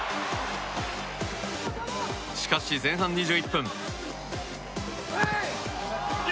しかし前半２１分。